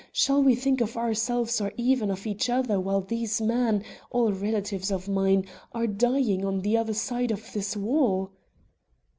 Shall we think of ourselves or even of each other while these men, all relatives of mine, are dying on the other side of this wall?"